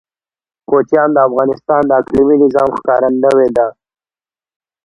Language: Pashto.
کوچیان د افغانستان د اقلیمي نظام ښکارندوی ده.